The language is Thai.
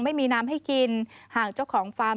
ไม่มีน้ำให้กินหากเจ้าของฟาร์ม